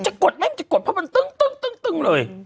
จะกดหรือไม่มันกดเพราะมันตึ้งเลย